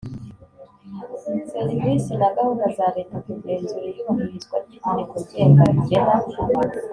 serivisi na gahunda za Leta kugenzura iyubahirizwa ry itegeko ngenga rigena